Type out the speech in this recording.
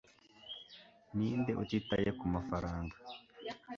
ninde utitaye kumafaranga